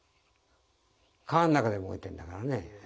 川の中で燃えてんだからね。